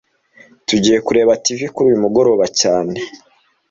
Tugiye kureba TV kuri uyu mugoroba cyane